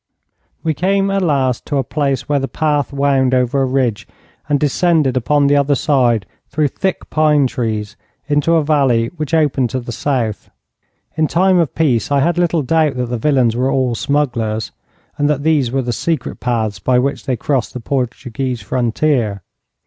We came at last to a place where the path wound over a ridge, and descended upon the other side through thick pine trees into a valley which opened to the south. In time of peace I had little doubt that the villains were all smugglers, and that these were the secret paths by which they crossed the Portuguese frontier.